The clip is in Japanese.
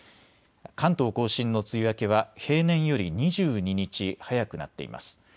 関東甲信の梅雨明けは平年より２２日早くなっています。